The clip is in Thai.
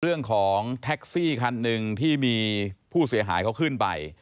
เรื่องของแท็กซี่คันหนึ่งที่มีผู้เสียหายเขาขึ้นไป